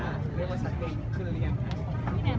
แม่กับผู้วิทยาลัย